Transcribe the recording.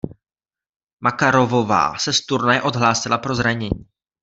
Makarovová se z turnaje odhlásila pro zranění.